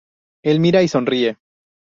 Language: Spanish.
Él mira y sonríe.